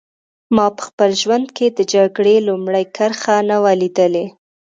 ما په خپل ژوند کې د جګړې لومړۍ کرښه نه وه لیدلې